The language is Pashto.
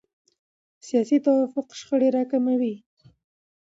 سیاسي توافق شخړې راکموي